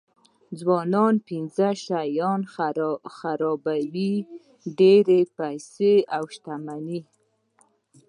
ځوانان پنځه شیان خرابوي ډېرې پیسې او شتمني.